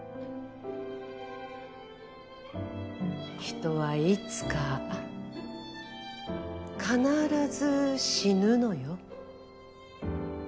人はいつか必ず死ぬのよ。